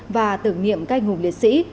và tưởng niệm các ngùng liệt sĩ